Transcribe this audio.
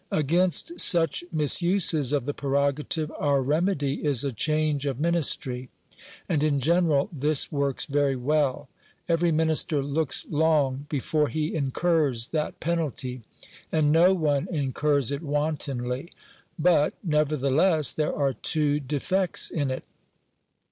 Against such misuses of the prerogative our remedy is a change of Ministry. And in general this works very well. Every Minister looks long before he incurs that penalty, and no one incurs it wantonly. But, nevertheless, there are two defects in it.